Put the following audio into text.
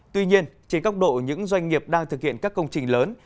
tuy nhiên trên góc độ những doanh nghiệp đang thực hiện các công trình lớn